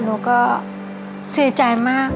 หนูก็ซื้อใจมาก